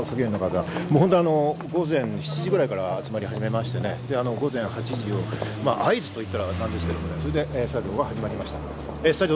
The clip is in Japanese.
午前７時くらいから作業の方、集まり始めまして、午前８時合図と言ってはなんですが、作業は始まりました。